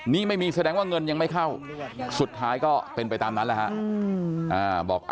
นี่ไม่มีแสดงว่าเงินยังไม่เข้าสุดท้ายก็เป็นไปตามนั้นแหละฮะ